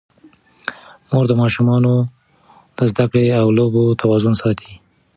مور د ماشومانو د زده کړې او لوبو توازن ساتي.